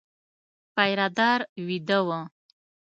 پيره دار وېده و.